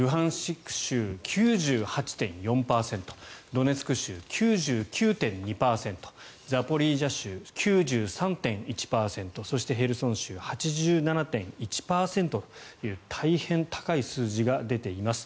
ドネツク州、９９．２％ザポリージャ州、９３．１％そしてヘルソン州、８７．１％という大変高い数字が出ています。